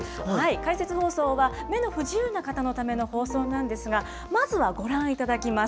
解説放送は、目の不自由な方のための放送なんですが、まずはご覧いただきます。